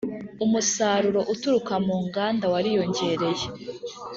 umusaruro uturuka mu nganda wariyongereye